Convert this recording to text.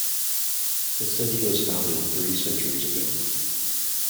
The city was founded three centuries ago.